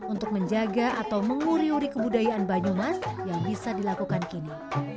untuk menjaga atau menguri uri kebudayaan banyumas yang bisa dilakukan kini